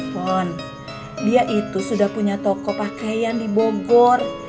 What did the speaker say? pohon dia itu sudah punya toko pakaian di bogor